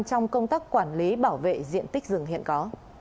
trong công tác quản lý bảo vệ diện tích rừng hiện có